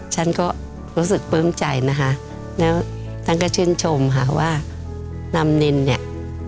ฉันก็รู้สึกปลื้มใจนะคะแล้วท่านก็ชื่นชมค่ะว่านำนินเนี่ย